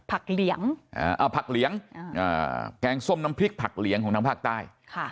ผักเหลืองแกงส้มน้ำพริกผักเหลืองของทางภาคใต้